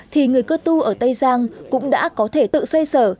thì người cơ tu ở tây giang cũng đã có thể tự xoay sở